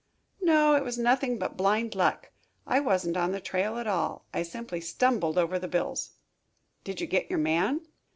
"No, it was nothing but blind luck. I wasn't on the trail at all. I simply stumbled over the bills." "Did you get your man?"